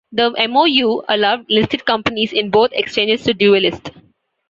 The MoU allowed listed companies in both exchanges to dualist.